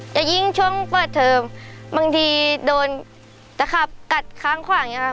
แล้วยิ่งช่วงเปิดเทอมบางทีโดนตะขับกัดข้างขวางอย่างนี้ค่ะ